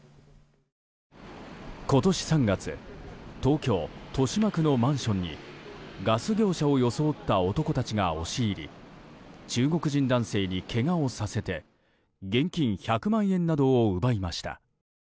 今年３月東京・豊島区のマンションにガス業者を装った男たちが押し入り中国人男性にけがをさせて現金１００万円などを奪いました。